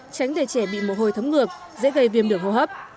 tránh để trẻ bị mồ hôi thấm ngược dễ gây viêm đường hô hấp